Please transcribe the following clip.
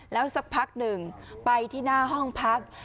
แล้วสักพักหนึ่งไปที่หน้าห้องพัก